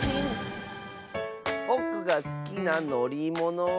ぼくがすきなのりものは。